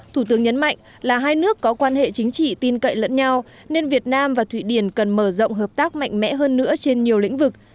thủ tướng nhấn mạnh là hai nước có quan hệ chính trị tin cậy lẫn nhau nên việt nam và thụy điển cần mở rộng hợp tác mạnh mẽ hơn nữa trên nhiều lĩnh vực